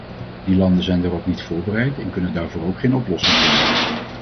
Die landen zijn daarop niet voorbereid en kunnen daarvoor ook geen oplossing vinden.